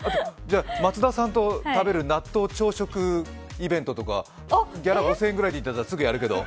松田さんと食べる納豆朝食イベントとかギャラ５０００円ぐらいですぐやるけど。